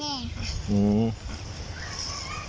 เชื้อแม่ค่ะ